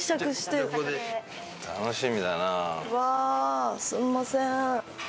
わすんません。